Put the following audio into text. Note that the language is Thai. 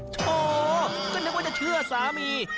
โชว์ก็นึกว่าจะเชื่อสามี